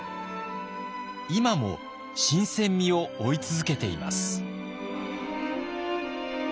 今も新鮮味を追い続けています。